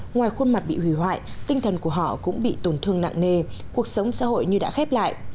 ngoài khuôn mặt bị hủy hoại tinh thần của họ cũng bị tổn thương nặng nề cuộc sống xã hội như đã khép lại